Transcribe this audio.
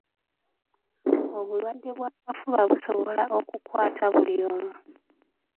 Obulwadde bw'akafuba busobola okukwata buli omu.